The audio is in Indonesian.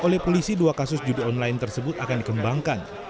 oleh polisi dua kasus judi online tersebut akan dikembangkan